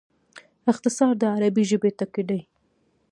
اختصار د عربي ژبي ټکی دﺉ.